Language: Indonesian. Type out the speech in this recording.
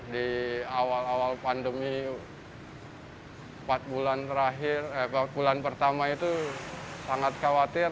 di awal awal pandemi empat bulan pertama itu sangat khawatir